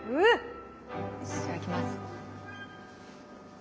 いただきます。